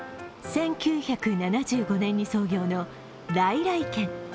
１９７５年に創業の来来軒。